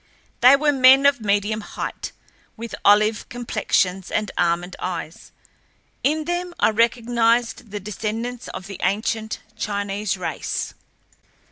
They were men of medium height, with olive complexions and almond eyes. In them I recognized the descendants of the ancient Chinese race.